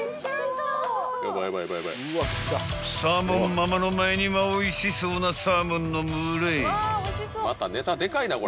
［サーモンママの前にはおいしそうなサーモンの群れ］